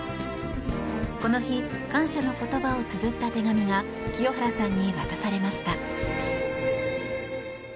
この日感謝の言葉をつづった手紙が清原さんに渡されました。